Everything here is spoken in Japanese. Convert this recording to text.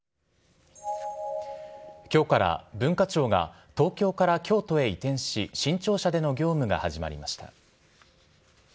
きょうから文化庁が、東京から京都へ移転し、新庁舎での業務が始まりました。